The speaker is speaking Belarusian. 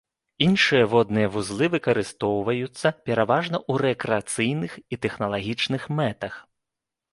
Іншыя водныя вузлы выкарыстоўваюцца пераважна ў рэкрэацыйных і тэхналагічных мэтах.